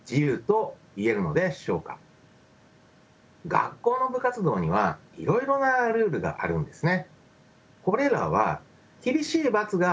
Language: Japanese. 学校の部活動にはいろいろなルールがあるんですね。